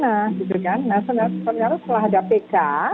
nah ternyata setelah ada pk